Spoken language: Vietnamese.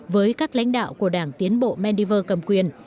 với các lãnh đạo của đảng tiến bộ menives cầm quyền